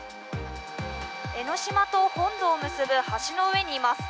江ノ島と本土を結ぶ橋の上にいます。